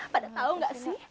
pada tau gak sih